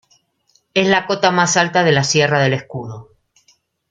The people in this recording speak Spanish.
Es la cota más alta de la Sierra del Escudo.